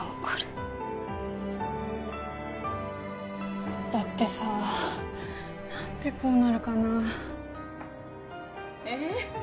これだってさ何でこうなるかなえ？